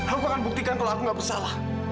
aku akan buktikan kalau aku gak bersalah